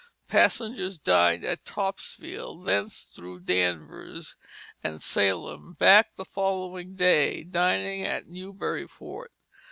passengers dined at Topsfield; thence through Danvers and Salem; back the following day, dining at Newburyport.